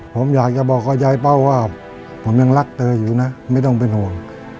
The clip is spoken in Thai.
ผมอยากจะบอกกับยายเป้าว่าผมยังรักเธออยู่นะไม่ต้องเป็นห่วง